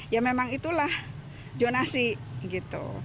ya memang itulah jonasi gitu